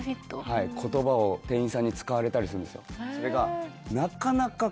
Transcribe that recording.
はい言葉を店員さんに使われたりするんですよ